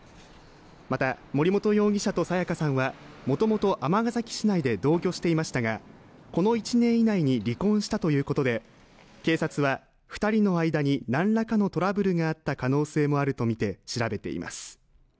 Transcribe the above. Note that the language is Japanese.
また森本容疑者と彩加さんはもともと尼崎市内で同居していましたが、この１年以内に離婚したということで、警察は２人の間に何らかのトラブルがあった可能性あるとみて調べいます。